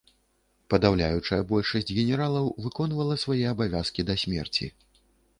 Падаўляючая большасць генералаў выконвала свае абавязкі да смерці.